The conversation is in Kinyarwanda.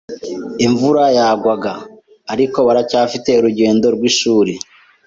Imvura yagwaga. Ariko, baracyafite urugendo rwishuri.